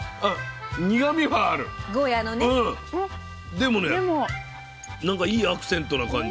でもね何かいいアクセントな感じ。